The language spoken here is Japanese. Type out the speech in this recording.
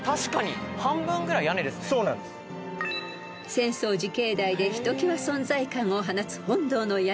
［浅草寺境内でひときわ存在感を放つ本堂の屋根］